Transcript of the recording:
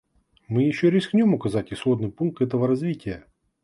Мы еще рискнем указать исходный пункт этого развития.